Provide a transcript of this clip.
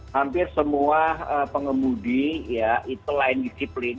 hampir semua pengemudi ya itu lain disiplin